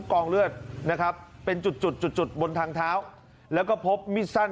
กองเลือดนะครับเป็นจุดจุดจุดบนทางเท้าแล้วก็พบมีดสั้น